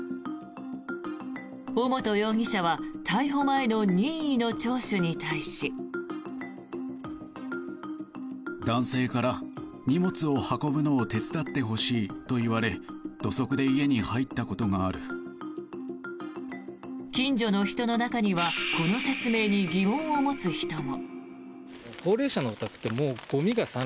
尾本容疑者は逮捕前の任意の聴取に対し。近所の人の中にはこの説明に疑問を持つ人も。